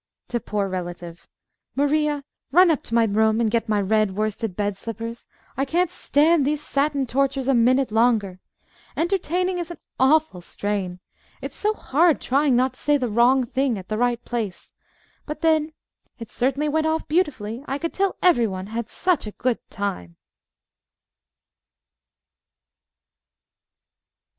(To Poor Relative) Maria, run up to my room, and get my red worsted bed slippers. I can't stand these satin tortures a minute longer. Entertaining is an awful strain. It's so hard trying not to say the wrong thing at the right place. But, then, it certainly went off beautifully. I could tell every one had such a good time!